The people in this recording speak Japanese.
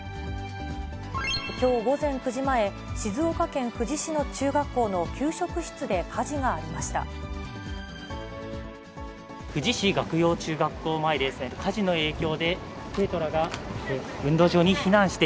きょう午前９時前、静岡県富士市の中学校の給食室で火事がありました。